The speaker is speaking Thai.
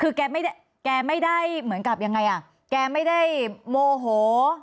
คือแกไม่ได้แกไม่ได้เหมือนกับยังไงอ่ะแกไม่ได้โมโห